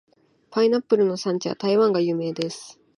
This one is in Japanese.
パイナップルの産地は台湾が有名です。